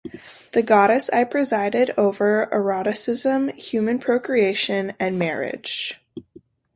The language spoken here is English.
The Goddess I presided over eroticism, human procreation, and marriage.